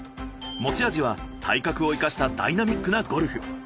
持ち味は体格を生かしたダイナミックなゴルフ。